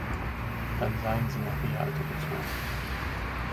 Dann seien sie nach Rialto gezogen.